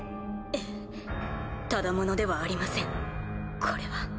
ええただ者ではありませんこれは。